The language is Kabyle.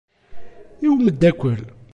I umeddakkel.